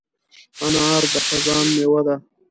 انار د خزان مېوه ده.